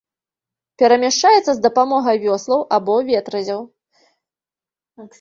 Перамяшчаецца з дапамогай вёслаў або ветразяў.